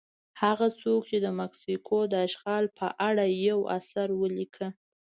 هغه څوک چې د مکسیکو د اشغال په اړه یو اثر ولیکه.